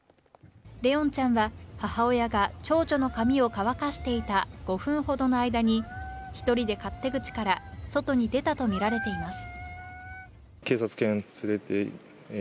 怜音ちゃんは母親が長女の髪を乾かしていた５分ほどの間に１人で勝手口から外に出たとみられています。